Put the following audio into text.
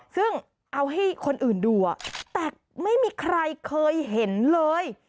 ซึ่งเอาให้คนอื่นดูแต่ไม่มีใครเคยเห็นเลย